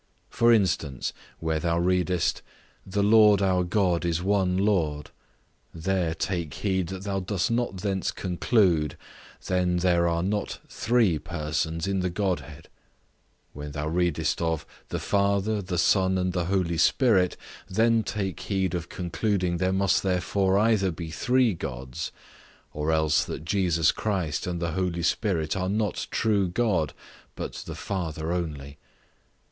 For instance, where thou readest, "The Lord our God is one Lord," there take heed that thou dost not thence conclude, then there are not three persons in the Godhead: when thou readest of "the Father, the Son, and the Holy Spirit," then take heed of concluding there must therefore either be three Gods, or else that Jesus Christ and the Holy Ghost are not true God, but the Father only.